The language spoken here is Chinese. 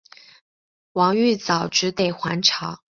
王玉藻只得还朝。